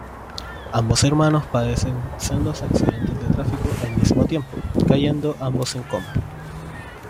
Ambos hermanos padecen sendos accidentes de tráfico al mismo tiempo, cayendo ambos en coma.